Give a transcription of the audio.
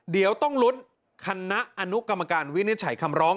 เดี๋ยวต้องลุ้นคณะอนุกรรมการวินิจฉัยคำร้อง